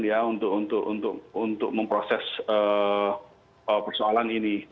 ya untuk memproses persoalan ini